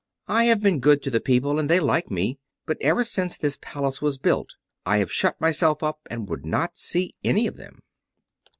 I have been good to the people, and they like me; but ever since this Palace was built, I have shut myself up and would not see any of them.